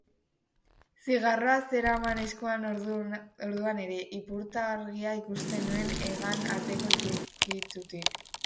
Zigarroa zeraman eskuan orduan ere, ipurtargia ikusten nuen hegan ateko zirrikitutik.